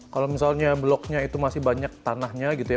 kalau misalnya bloknya itu masih banyak tanahnya gitu ya